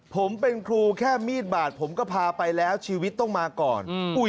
ผมเป็นครูแค่มีดบาดผมก็พาไปแล้วชีวิตต้องมาก่อน